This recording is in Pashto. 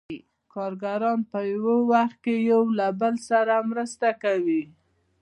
کارګران په یو وخت کې یو له بل سره مرسته کوي